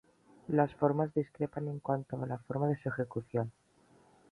Las fuentes discrepan en cuanto a la forma de su ejecución.